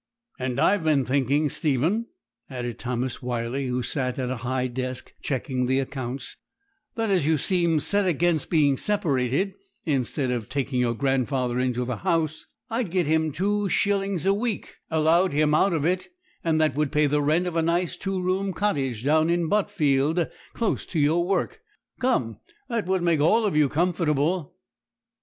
'And I've been thinking, Stephen,' added Thomas Wyley, who sat at a high desk checking the accounts, 'that, as you seem set against being separated, instead of taking your grandfather into the House, I'd get him two shillings a week allowed him out of it; and that would pay the rent of a nice two roomed cottage down in Botfield, close to your work. Come, that would make all of you comfortable.'